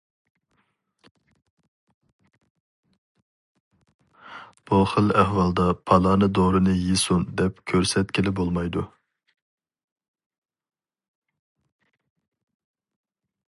بۇ خىل ئەھۋالدا پالانى دورىنى يېسۇن دەپ كۆرسەتكىلى بولمايدۇ.